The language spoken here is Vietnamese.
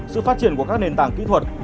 sự phát triển của các nền tảng kỹ thuật